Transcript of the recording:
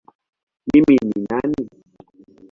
Mimi ni nani?